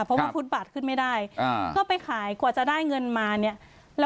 เพราะว่าคุณบัตรขึ้นไม่ได้ก็ไปขายก็จะได้เงินมา